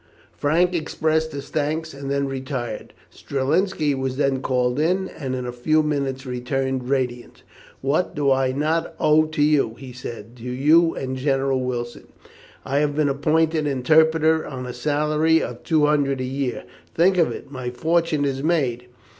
Frank expressed his thanks, and then retired. Strelinski was then called in, and in a few minutes returned radiant. "What do I not owe to you," he said, "to you and General Wilson? I have been appointed interpreter on a salary of two hundred a year. Think of it! my fortune is made."